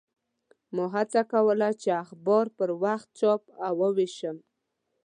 ما هڅه کوله چې اخبار پر وخت چاپ او ووېشم.